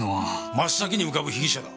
真っ先に浮かぶ被疑者だ。